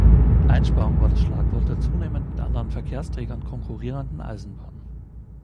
Einsparung war das Schlagwort der zunehmend mit anderen Verkehrsträgern konkurrierenden Eisenbahn.